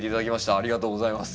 ありがとうございます。